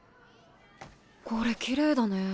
これきれいだね。